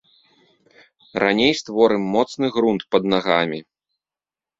Раней створым моцны грунт пад нагамі.